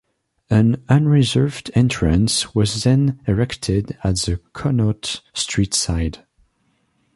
An "unreserved" entrance was then erected at the Connaught Street side.